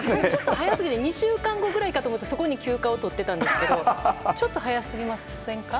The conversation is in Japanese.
２週間後くらいかと思ってそこに休暇を取ってたんですけどちょっと早すぎませんか？